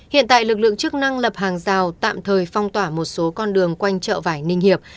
hiện tại lực lượng chức năng lập hàng rào tạm thời phong tỏa một số con đường quanh chợ vải ninh hiệp